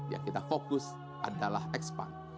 yang kita fokus adalah expand